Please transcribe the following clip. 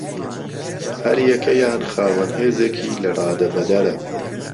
هەریەکەیان خاوەن هێزێکی لەرادەبەدەرە